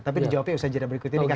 tapi dijawabnya usaha jadwal berikut ini